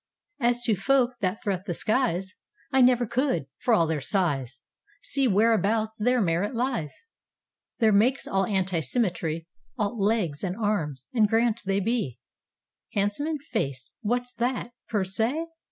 As to folk that threat the skies,I never could, for all their size, See whereabouts their merit lies. Their make's all antisymmetry, All legs and arms; and grant they beHandsome in face, what's that, per se?